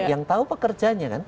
yang tahu pekerjanya kan